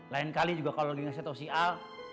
lain kali juga kalau lo ngasih tau si al